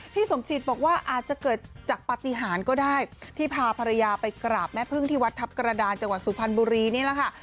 สมจิตบอกว่าอาจจะเกิดจากปฏิหารก็ได้ที่พาภรรยาไปกราบแม่พึ่งที่วัดทัพกระดานจังหวัดสุพรรณบุรีนี่แหละค่ะ